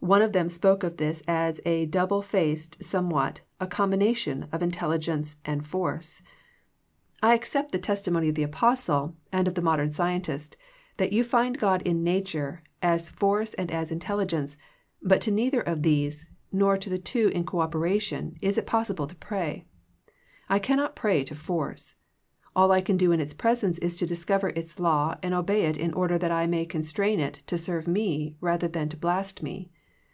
One of them spoke of this as " a double faced somewhat, a combination of intelligence and force." I THE PLATFOEM OF PEAYEE 33 accept the testimony of the Apostle and of the modern scientist, that you find God in nature as force and as intelligence, but to neither of these nor to the two in cooperation, is it possible to pray. I cannot pray to force. All I can do in Its presence is to discover its law and obey it in order that I may constrain it to serve me rather than to blast me.